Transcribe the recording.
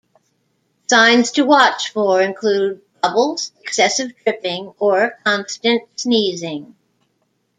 Signs to watch for include bubbles, excessive dripping, or constant sneezing.